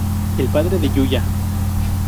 El padre de Yuya.